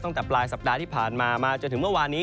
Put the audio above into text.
ตั้งแต่ปลายสัปดาห์ที่ผ่านมามาจนถึงเมื่อวานนี้